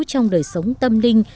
trong đời sống tâm linh